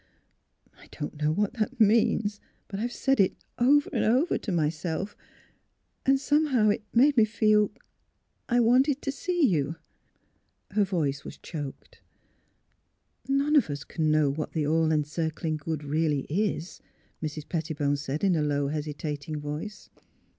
I don't know what that means; but I've said it over and over to myself, and somehow it made me feel — I wanted to see you. '' Her voice was choked. '' None of us can know what the All Encircling Good really is," Mrs. Pettibone said, in a low, hesitating voice.